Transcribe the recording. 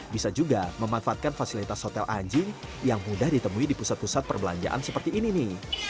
bisa juga memanfaatkan fasilitas hotel anjing yang mudah ditemui di pusat pusat perbelanjaan seperti ini nih